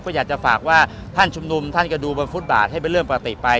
ก็อยากจะฝากว่าท่านชุมนุมท่านก็ดูบนฟุตบาทให้เป็นเรื่องปกติไป